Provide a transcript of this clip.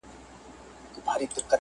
o دا وزن دروند اُمي مُلا مات کړي,